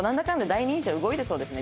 第二印象動いてそうですね